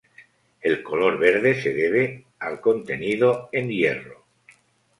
El color verde se debe al contenido en hierro.